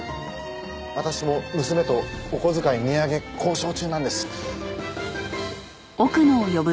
私も娘とお小遣い値上げ交渉中なんです。